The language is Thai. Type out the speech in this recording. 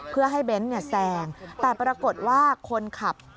เพื่อให้เบ้นแซงแต่ปรากฏว่าคนขับ